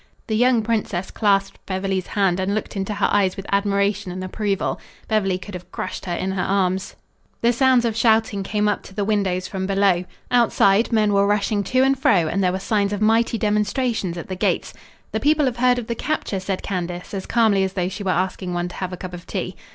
The young princess clasped Beverly's hand and looked into her eyes with admiration and approval. Beverly could have crushed her in her arms. The sounds of shouting came up to the windows from below. Outside, men were rushing to and fro and there were signs of mighty demonstrations at the gates. "The people have heard of the capture," said Candace, as calmly as though she were asking one to have a cup of tea.